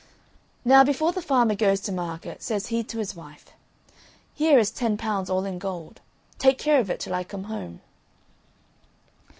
Now before the farmer goes to market says he to his wife: "Here is ten pounds all in gold, take care of it till I come home."